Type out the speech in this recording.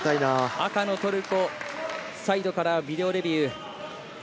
赤のトルコサイドからビデオレビュー。